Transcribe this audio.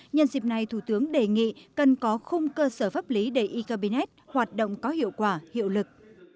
nhân dịp này thủ tướng đề nghị cần có khung cơ sở pháp lý để ekpnx hoạt động có hiệu quả hiệu lực